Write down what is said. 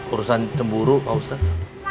urusan cemburu pak ustad